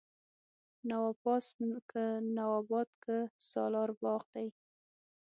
نواپاس، که نواباد که سالار باغ دی